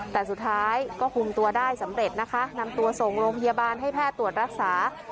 แต่สุดท้ายก็คุมตัวได้สำเร็จนะคะนำตัวส่งโรงพยาบาลให้แพทย์ตรวจรักษา